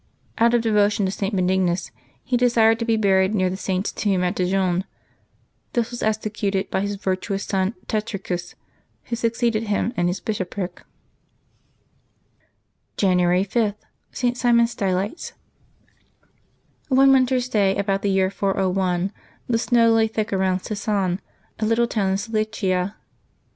Out of devotion to St. Benignus, he desired to be buried near that Saint's tomb at Dijon; this was executed by his virtuous son Tetricus, who succeeded him in his bishopric. January 5] LIVES OF THE SAINTS • 27 January 5.— ST. SIMEON STYLITES. ONE winter's da}^, about the year 401, the snow lay thick around Sisan, a little town in Cilicia.